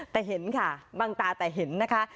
แต่เห็นค่ะบางตาแต่เห็นนะคะ